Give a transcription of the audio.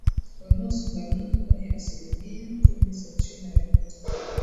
Wanaosongamana kwenye asilimia kumi za China yot